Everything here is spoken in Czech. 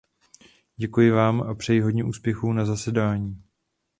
Děkuji vám a přeji hodně úspěchů na zasedání.